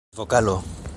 vokalo